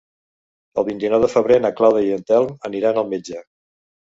El vint-i-nou de febrer na Clàudia i en Telm aniran al metge.